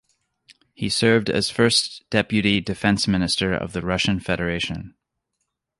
He served as First Deputy Defence Minister of the Russian Federation.